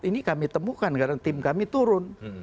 ini kami temukan karena tim kami turun